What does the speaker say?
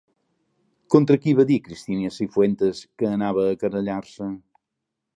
Contra qui va dir Cristina Cifuentes que anava a querellar-se?